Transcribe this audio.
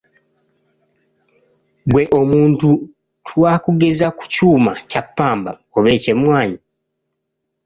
Ggwe omuntu twakugeza ku kyuma kya ppamba oba eky'emmwanyi.